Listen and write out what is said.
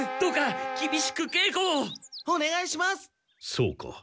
そうか。